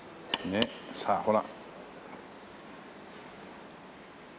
さあほら。